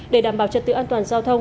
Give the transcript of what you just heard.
để đảm bảo trật tự an toàn giao thông